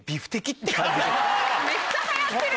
めっちゃ流行ってる！